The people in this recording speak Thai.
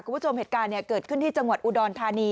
คุณผู้ชมเหตุการณ์เกิดขึ้นที่จังหวัดอุดรธานี